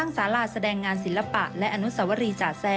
ช่วยให้สามารถสัมผัสถึงความเศร้าต่อการระลึกถึงผู้ที่จากไป